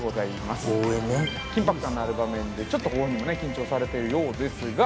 緊迫感がある場面でちょっとご本人も緊張されているようですが。